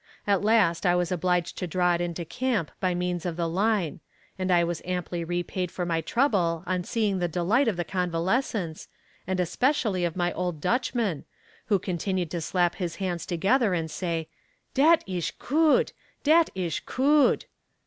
At last I was obliged to draw it into camp by means of the line and I was amply repaid for my trouble on seeing the delight of the convalescents, and especially of my old Dutchman, who continued to slap his hands together and say "Dhat ish coot dhat ish coot."